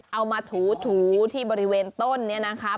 เอามาถูที่บริเวณต้นนี้นะคะ